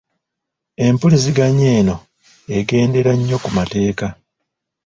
Empuliziganya eno egendera nnyo ku mateeka .